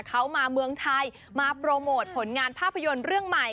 เขามาเมืองไทยมาโปรโมทผลงานภาพยนตร์เรื่องใหม่